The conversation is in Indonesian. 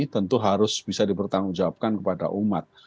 tentu harus bisa dipertanggungjawabkan kepada umat